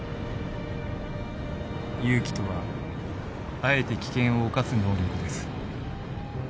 勇気とはあえて危険を冒す能力です。